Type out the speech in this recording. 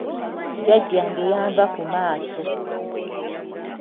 Jjajjange yanva ku maaso.